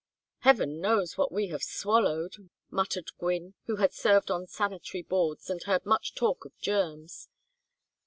"Heavens knows what we have swallowed," muttered Gwynne, who had served on sanitary boards and heard much talk of germs.